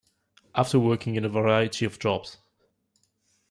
After working in a variety of jobs.